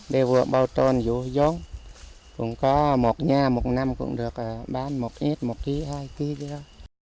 để vừa bảo trồn vô giống cũng có một nhà một năm cũng được bán một ít một ký hai ký kia